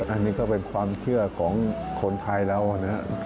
อันนี้ก็เป็นความเชื่อของคนไทยเรานะครับ